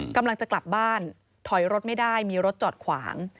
กำลังจะกลับบ้านถอยรถไม่ได้มีรถจอดขวาง